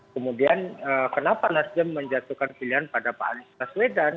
kemudian kenapa nasdem menjatuhkan pilihan pada pak anies baswedan